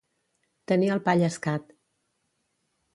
Tenir el pa llescat.